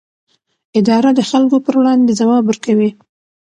اداره د خلکو پر وړاندې ځواب ورکوي.